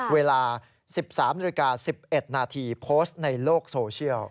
เวลา๑๓๑๑นาทีโพสต์ในโลกโซเชียล